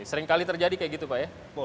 oke sering kali terjadi kayak gitu pak ya